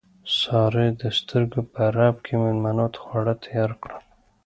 سارې د سترګو په رپ کې مېلمنو ته خواړه تیار کړل.